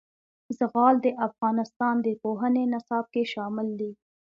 زغال د افغانستان د پوهنې نصاب کې شامل دي.